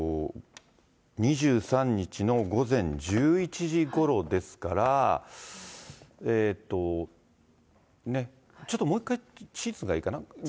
２３日の午前１１時ごろですから、ちょっともう一回地図がいいかな。